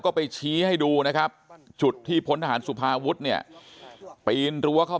ก็ไปชี้ให้ดูนะครับจุดที่พลทหารสุภาวุฒิเนี่ยปีนรั้วเข้า